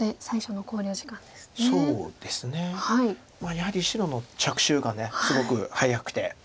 やはり白の着手がすごく早くて。